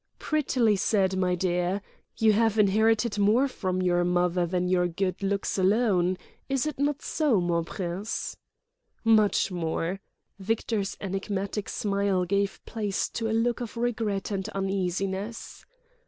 "Prettily said, my dear. You have inherited more from your mother than your good looks alone. Is it not so, mon prince?" "Much more." Victor's enigmatic smile gave place to a look of regret and uneasiness.